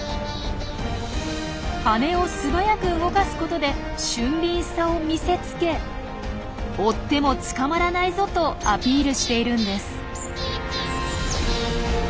羽を素早く動かすことで俊敏さを見せつけ「追っても捕まらないぞ」とアピールしているんです。